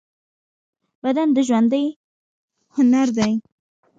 بدن د ژوندۍ هنر دی.